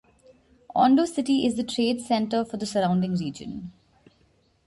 Ondo City is the trade center for the surrounding region.